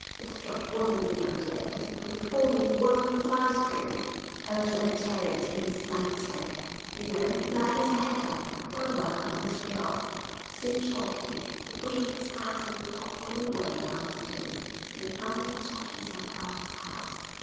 Extraordinary idea to think of reforming the world with ice cream! Post enteric insanity, you know. Mad as a hatter! Well, well, I must be off.' Still talking, he put on his hat and talked all the way downstairs, and finally talked himself out of the house.